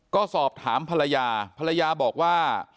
ก็สอบถามภรรยาภรรยาบอกว่า